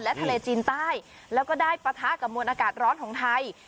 และทะเลจีนใต้แล้วก็ได้ปะทะกับมวลอากาศร้อนของไทย